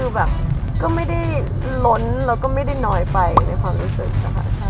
คือแบบก็ไม่ได้ล้นแล้วก็ไม่ได้น้อยไปในความรู้สึกอะค่ะ